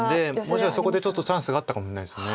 もしかしたらそこでちょっとチャンスがあったかもしれないです。